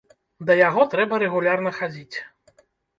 Да яго трэба рэгулярна хадзіць.